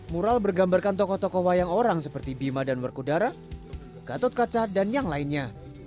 mural bergambarkan tokoh tokoh wayang orang seperti bima dan merkudara gatot kaca dan yang lainnya